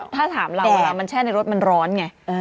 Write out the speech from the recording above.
ถ้าถามเราเวลามันแช่ในรถมันร้อนไง